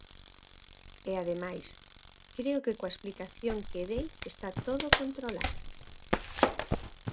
E, ademais, creo que coa explicación que dei está todo controlado.